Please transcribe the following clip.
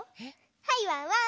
はいワンワン。